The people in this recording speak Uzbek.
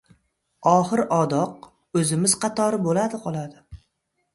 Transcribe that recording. Oxir-odoq, o‘zimiz qatori bo‘ladi-qoladi.